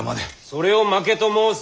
それを負けと申す。